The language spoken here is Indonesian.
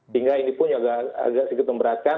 sehingga ini pun agak sedikit memberatkan